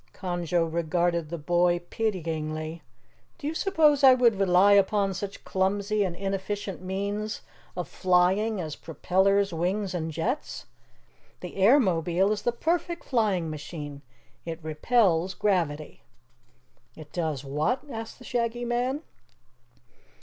Conjo regarded the boy pityingly. "Do you suppose I would rely upon such clumsy and inefficient means of flying as propellers, wings, and jets? The Airmobile is the perfect flying machine. It repels gravity." "It does what?" asked the Shaggy Man.